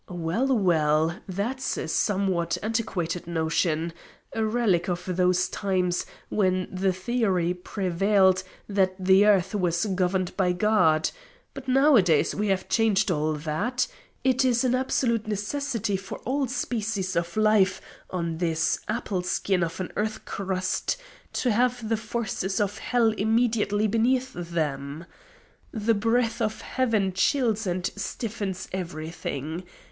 Well, well; that's a somewhat antiquated notion a relic of those times when the theory prevailed that the earth was governed by God. But nowadays we have changed all that. It is an absolute necessity for all species of life on this apple skin of an earthcrust to have the forces of Hell immediately beneath them. The breath of Heaven chills and stiffens everything.